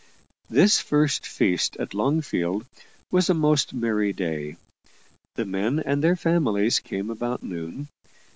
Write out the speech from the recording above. This first feast at Longfield was a most merry day. The men and their families came about noon.